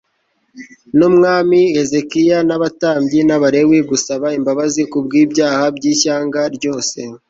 n'umwami hezekiya n'abatambyi n'abalewi gusaba imbabazi kubw'ibyaha by'ishyanga ryose